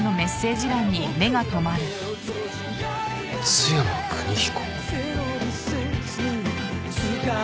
「津山邦彦」？